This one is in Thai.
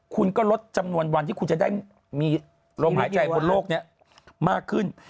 คุณก็ลดจำนวนวันที่คุณจะได้มีลมหายใจบนโลกนี้มากขึ้น